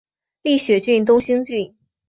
立雪郡东兴郡